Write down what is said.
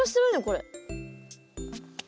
これ。